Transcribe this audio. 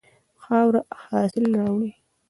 خاوره حاصل راوړي.